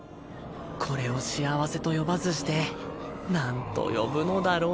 これを幸せと呼ばずしてなんと呼ぶのだろう。